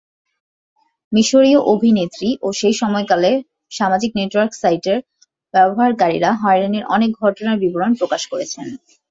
মিশরীয় অভিনেত্রী এবং সেই সময়কালে সামাজিক নেটওয়ার্ক সাইটের ব্যবহারকারীরা হয়রানির অনেক ঘটনার বিবরণ প্রকাশ করেছেন।